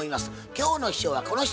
今日の秘書はこの人。